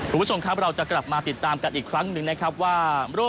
คุณผู้ชมครับเราจะกลับมาติดตามกันอีกครั้งหนึ่งนะครับว่า